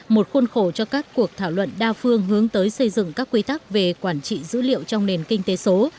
một khuôn khổ cho các cuộc thảo luận đa phương hướng tới xây dựng các quy tắc về quản trị dữ liệu trong nền kinh tế số